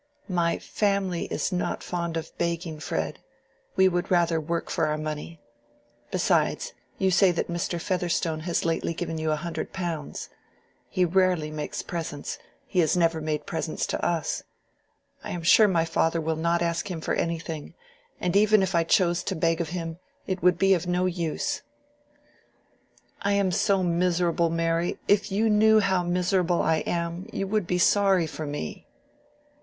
"My family is not fond of begging, Fred. We would rather work for our money. Besides, you say that Mr. Featherstone has lately given you a hundred pounds. He rarely makes presents; he has never made presents to us. I am sure my father will not ask him for anything; and even if I chose to beg of him, it would be of no use." "I am so miserable, Mary—if you knew how miserable I am, you would be sorry for me."